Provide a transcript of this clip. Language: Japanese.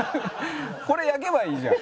これ焼けばいいじゃん。